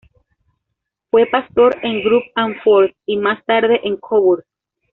Fue pastor en Grub am Forst, y más tarde en Coburg.